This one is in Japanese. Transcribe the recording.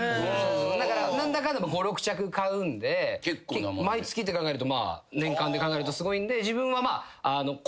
だから何だかんだ５６着買うんで毎月って考えると年間で考えるとすごいんで自分は。